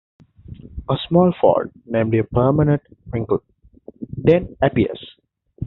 A small fold, namely a permanent wrinkle, then appears.